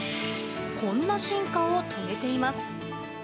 こんな進化を遂げています。